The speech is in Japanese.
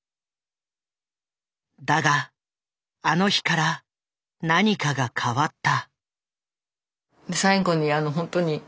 だがあの日から何かが変わった。